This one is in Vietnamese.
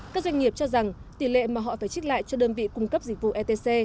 các doanh nghiệp cho rằng tỷ lệ mà họ phải trích lại cho đơn vị cung cấp dịch vụ etc